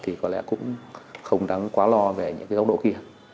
thì có lẽ cũng không đáng quá lo về những cái góc độ kia